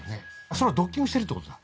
それをドッキングしてるってことだ？